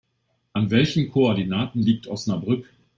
An welchen Koordinaten liegt Osnabrück?